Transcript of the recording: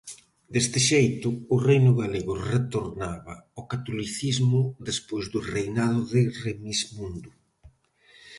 Deste xeito, o reino galego retornaba ao catolicismo despois do reinado de Remismundo.